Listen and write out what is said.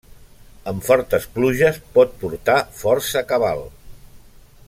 En fortes pluges pot portar força cabal.